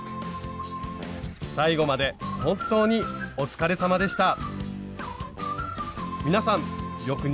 最後まで本当にお疲れさまでした。